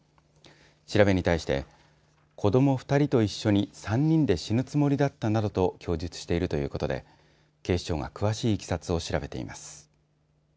調べに対して子ども２人と一緒に３人で死ぬつもりだったなどと供述しているということで警視庁が詳しいいきさつを調べています。